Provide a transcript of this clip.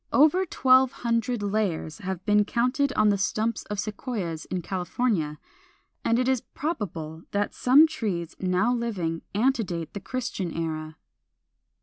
Over twelve hundred layers have been counted on the stumps of Sequoias in California, and it is probable that some trees now living antedate the Christian era.